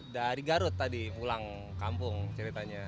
dari garut tadi pulang kampung ceritanya